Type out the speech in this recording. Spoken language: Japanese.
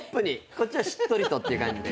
こっちはしっとりとって感じで。